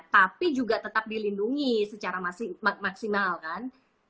tapi juga tetap dilindungi secara maksimal kan